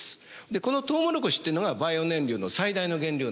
このトウモロコシというのがバイオ燃料の最大の原料なんです。